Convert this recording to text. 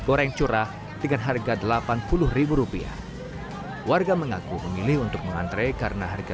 goreng curah dengan harga delapan puluh rupiah warga mengaku memilih untuk mengantre karena harga